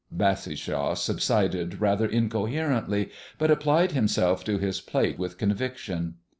Bassishaw subsided rather incoherently, but applied himself to his plate with conviction.